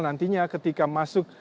nantinya ketika masuk